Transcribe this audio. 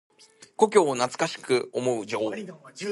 故郷を懐かしく思う情。